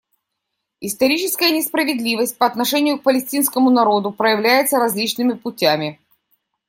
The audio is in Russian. Историческая несправедливость по отношению к палестинскому народу проявляется различными путями.